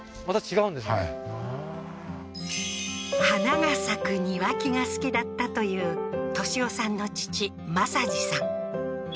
花が咲く庭木が好きだったという敏夫さんの父政治さん